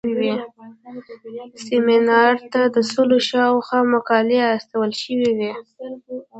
سیمینار ته د سلو شاوخوا مقالې استول شوې وې.